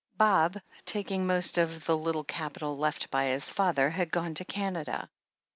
Bob, taking most of the little capital left by his father, had gone to Canada.